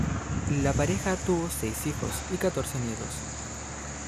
La pareja tuvo seis hijos y catorce nietos.